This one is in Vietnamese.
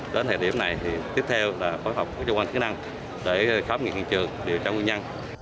đến thời điểm này thì tiếp theo là